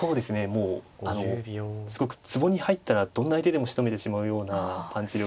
もうあのすごくつぼに入ったらどんな相手でもしとめてしまうようなパンチ力が。